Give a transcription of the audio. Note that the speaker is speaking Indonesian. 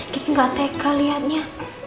gigi gak tega liatnya